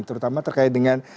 terutama terkait dengan